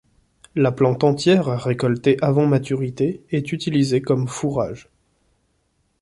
La plante entière récoltée avant maturité est utilisée comme fourrage.